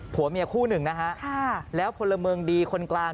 ผัวเมียคู่หนึ่งนะฮะแล้วพลเมืองดีคนกลาง